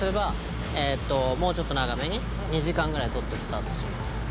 もうちょっと長めに、２時間ぐらい取ってスタートします。